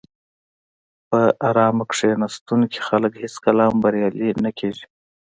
په آرامه کیناستونکي خلک هېڅکله هم بریالي نه کېږي.